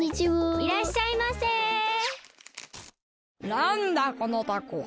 なんだこのタコは。